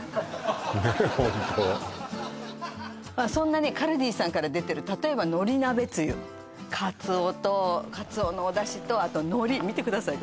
ねえホントそんなねカルディさんから出てる例えば海苔鍋つゆかつおのおだしとあと海苔見てください